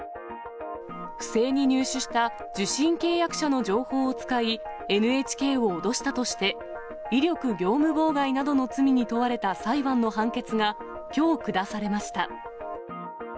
不正に入手した受信契約者の情報を使い、ＮＨＫを脅したとして、威力業務妨害などの罪に問われた裁判の判決が、きょう下されました。